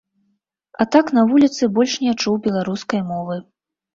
А так на вуліцы больш не чуў беларускай мовы.